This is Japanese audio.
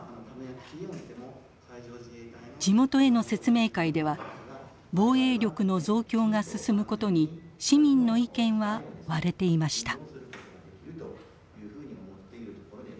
地元への説明会では防衛力の増強が進むことに市民の意見は割れていました。